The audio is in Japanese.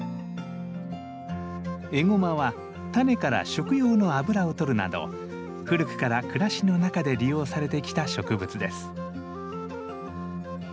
エゴマはタネから食用の油をとるなど古くから暮らしの中で利用されてきた植物です。